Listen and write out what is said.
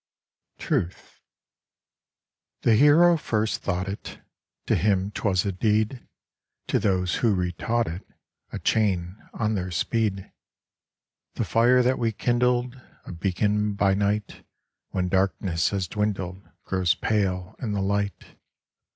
STnttft THE hero first thought it ; To him 'twas a deed : To those who retaught it, A chain on their speed. The fire that we kindled, A beacon by night, When darkness has dwindled Grows pale in the light.